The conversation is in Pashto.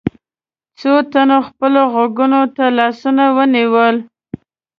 څو تنو خپلو غوږونو ته لاسونه ونيول.